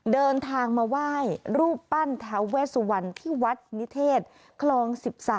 เดินทางมาไหว้รูปปั้นทาเวสวันที่วัดนิเทศคลอง๑๓